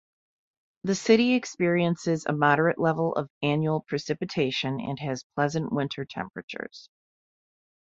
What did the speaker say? The city experiences a moderate level of annual precipitation and has pleasant winter temperatures.